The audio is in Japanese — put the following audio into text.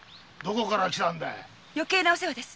余計なお世話です！